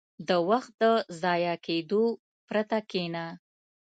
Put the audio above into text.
• د وخت د ضایع کېدو پرته کښېنه.